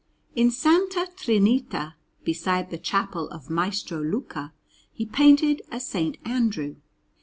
In S. Trinita, beside the Chapel of Maestro Luca, he painted a S. Andrew.